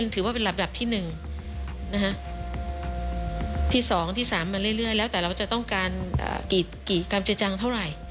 ที่๒และ๓มันเรื่อยแล้วแต่เราจะต้องการกลีดกรามเจื้อจางเท่าไหร่